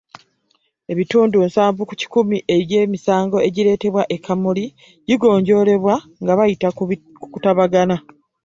Ebitundu nsanvu ku kikumi eby’emisango egireetebwa e Kamuli gigonjoolebwa nga bayita mu kutabagana.